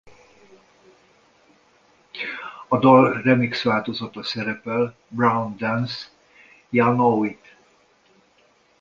A dal remix változata szerepel Brown Dance!...Ya Know It!